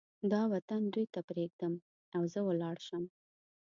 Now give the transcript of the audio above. دا وطن دوی ته پرېږدم او زه ولاړ شم.